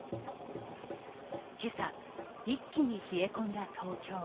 今朝、一気に冷え込んだ東京。